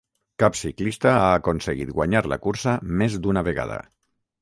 Cap ciclista ha aconseguit guanyar la cursa més d'una vegada.